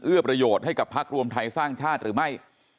ประโยชน์ให้กับพักรวมไทยสร้างชาติหรือไม่